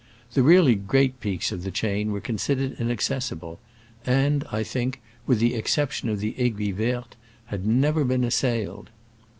The really great peaks of the chain were considered in accessible, and, I think, with the excep tion of the Aiguille Verte, had never been assailed.